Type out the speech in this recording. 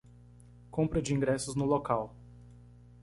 Compra de ingressos no local